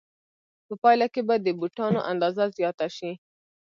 په پایله کې به د بوټانو اندازه زیاته شي